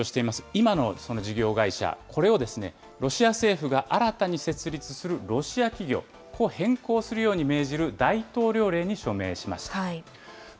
今の事業会社、これをロシア政府が新たに設立するロシア企業に変更するよう命じる大統領令に署名しました。